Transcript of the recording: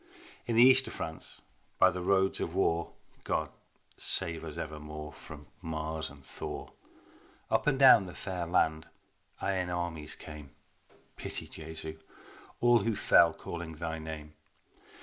In the east of France by the roads of war, (God save us evermore from Mars and Thor!) Up and down the fair land iron armies came, (Pity, Jesu, all who fell, calling Thy name).